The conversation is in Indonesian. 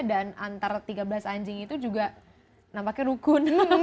dan antara tiga belas anjing itu juga nampaknya rukun